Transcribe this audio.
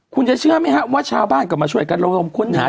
คุณจะเชื่อไหมครับว่าชาวบ้านก็มาช่วยกันระดมค้นหา